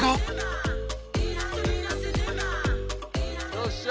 よっしゃ！